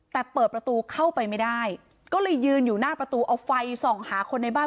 แต่เปิดประตูเข้าไปไม่ได้ก็เลยยืนอยู่หน้าประตูเอาไฟส่องหาคนในบ้าน